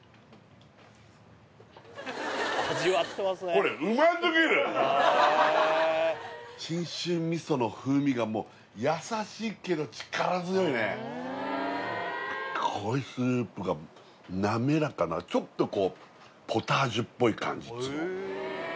ここれ信州味噌の風味がもう優しいけど力強いねこのスープがなめらかなちょっとこうポタージュっぽい感じっつうの？